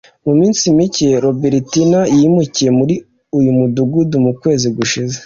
Mu minsi mike roberitina yimukiye muri uyu mudugudu mu kwezi gushize